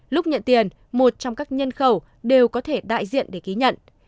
lúc nhận tiền một trong các nhân khẩu đều có thể đại diện để ký nhận